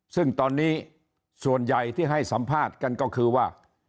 ซึ่งตอนนี้ส่วนใหญ่ที่ให้สัมภาษณ์กันก็คือว่า